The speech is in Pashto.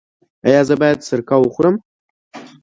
ایا زه باید سرکه وخورم؟